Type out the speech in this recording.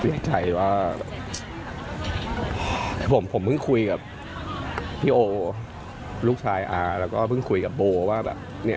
ใจว่าผมผมเพิ่งคุยกับพี่โอลูกชายอาแล้วก็เพิ่งคุยกับโบว่าแบบเนี่ย